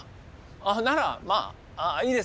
ならまあいいです。